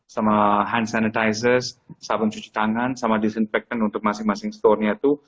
sama hand sanitizer sabun cuci tangan sama disinfektan untuk masing masing store nya itu